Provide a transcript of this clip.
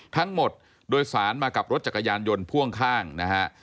ทั้งหมดโดยสารมากับรถจักรยานยนต์พ่วงข้างนะฮะ